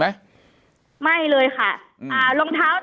แต่คุณยายจะขอย้ายโรงเรียน